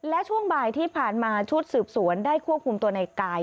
และช่วงบ่ายที่ผ่านมาชุดสืบสวนได้ควบคุมตัวในกาย